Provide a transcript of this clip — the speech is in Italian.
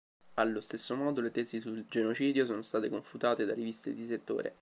Allo stesso modo le tesi sul genocidio sono state confutate da riviste di settore.